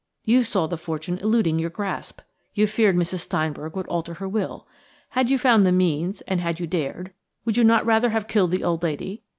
You saw the fortune eluding your grasp; you feared Mrs. Steinberg would alter her will. Had you found the means, and had you dared, would you not rather have killed the old lady?